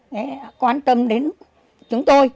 nghĩa là quan tâm đến chúng tôi